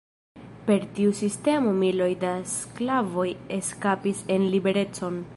Per tiu sistemo miloj da sklavoj eskapis en liberecon.